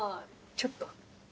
ちょっと？